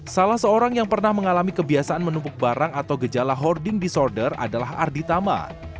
salah seorang yang pernah mengalami kebiasaan menumpuk barang atau gejala hoarding disorder adalah ardi tama